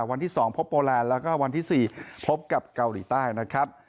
วันที่๒พบโปรแลนด์แล้วก็วันที่๔พบกับเกาหลีใต้นะครับ